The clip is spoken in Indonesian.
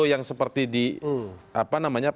yang seperti di apa namanya